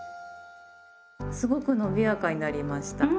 すごくのびやかになりました。